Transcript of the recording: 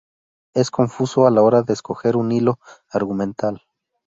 Es confuso a la hora de escoger un hilo argumental.